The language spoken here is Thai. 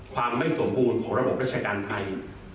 ความไม่สมบูรณ์ของระบบราชการไทย